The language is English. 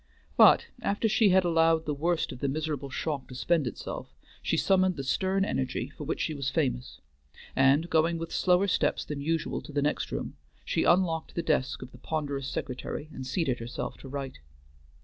But after she had allowed the worst of the miserable shock to spend itself, she summoned the stern energy for which she was famous, and going with slower steps than usual to the next room, she unlocked the desk of the ponderous secretary and seated herself to write.